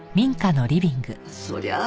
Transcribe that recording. そりゃあ